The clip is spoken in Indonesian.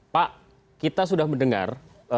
pak kita sudah mendengar